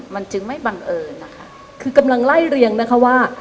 มันจึงไม่บังเอิญนะคะคือกำลังไล่เรียงนะคะว่า